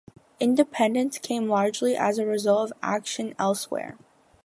Independence came largely as a result of actions elsewhere.